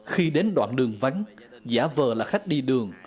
khi đến đoạn đường vắng giả vờ là khách đi đường